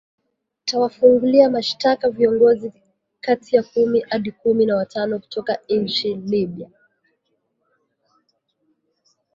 tawafungulia mashitaka viongozi kati ya kumi hadi kumi na watano kutoka nchini libya